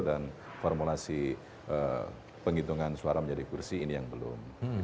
dan formulasi penghitungan suara menjadi kursi ini yang belum